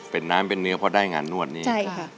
เป็นน้ำเป็นเนื้อเพราะได้งานนวดนี้